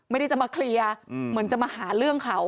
ไม่ได้จะมาเคลียร์เหมือนจะมาหาเรื่องเขา